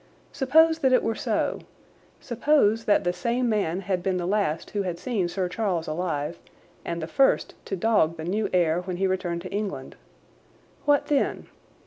Suppose that it were so—suppose that the same man had been the last who had seen Sir Charles alive, and the first to dog the new heir when he returned to England. What then?